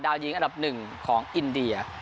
หญิงอันดับหนึ่งของอินเดีย